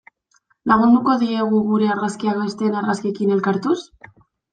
Lagunduko diegu gure argazkiak besteen argazkiekin elkartuz?